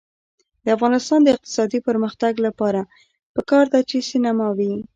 د افغانستان د اقتصادي پرمختګ لپاره پکار ده چې سینما وي.